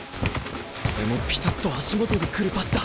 それもピタッと足元に来るパスだ！